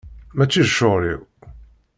Mačči d ccɣel-iw!